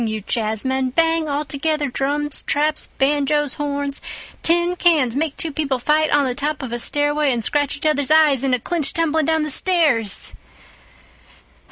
you jazzmen, bang altogether drums, traps, banjoes, horns, tin cans—make two people fight on the top of a stairway and scratch each other's eyes in a clinch tumbling down the stairs.